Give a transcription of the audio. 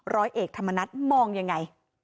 ร้อยเอกธรรมนัฐมองยังไง